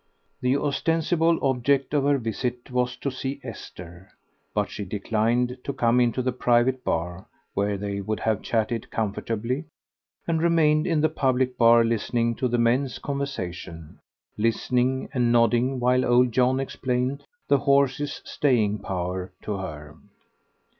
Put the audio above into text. The ostensible object of her visit was to see Esther, but she declined to come into the private bar, where they would have chatted comfortably, and remained in the public bar listening to the men's conversation, listening and nodding while old John explained the horse's staying power to her.